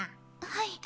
はい。